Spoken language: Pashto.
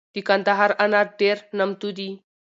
دکندهار انار دیر نامتو دي